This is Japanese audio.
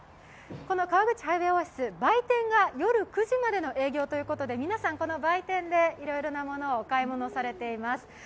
この川口ハイウェイオアシス、売店が夜９時までの営業ということで皆さん、売店でいろいろなものをお買い物されています。